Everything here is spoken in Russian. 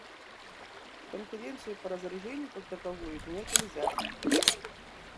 Конференцию по разоружению как таковую обвинять нельзя.